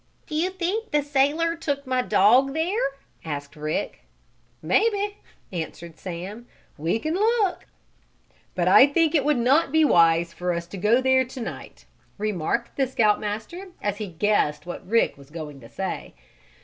"Do you think the sailor took my dog there?" asked Rick. "Maybe," answered Sam. "We can look." "But I think it would not be wise for us to go there to night," remarked the Scout Master, as he guessed what Rick was going to say.